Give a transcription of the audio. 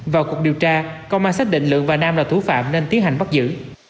vào cuộc điều tra công an xác định lượng và nam là thủ phạm nên tiến hành bắt giữ